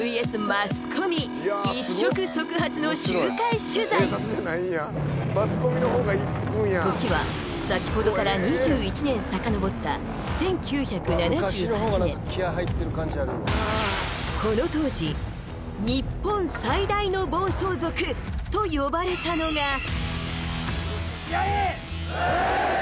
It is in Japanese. マスコミ一触即発の集会取材時は先ほどから２１年さかのぼった１９７８年この当時と呼ばれたのが押忍！